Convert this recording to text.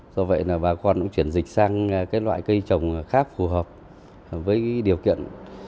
do vậy là bà con cũng chuyển dịch sang loại cây trồng khác phù hợp với điều kiện